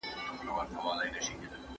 انجینري پوهنځۍ له مشورې پرته نه اعلانیږي.